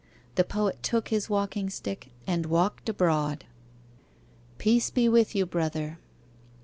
The Poet took his walking stick And walked abroad. Peace be with you, Brother.